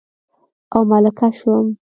او ملکه شوم